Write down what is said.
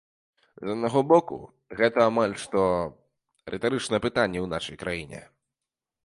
З аднаго боку, гэта амаль што рытарычнае пытанне ў нашай краіне.